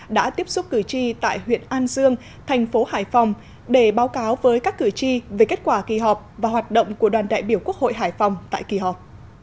đã tiếp xúc cử tri tại huyện an dương thành phố hải phòng để báo cáo với các cử tri về kết quả kỳ họp và hoạt động của đoàn đại biểu quốc hội hải phòng tại kỳ họp